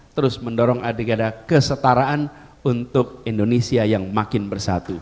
terus mendorong adeganda kesetaraan untuk indonesia yang makin bersatu